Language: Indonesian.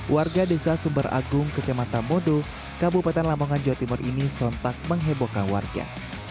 warga desa sumber agung kecamatan modo kabupaten lamongan jawa timur ini sontak menghebohkan warga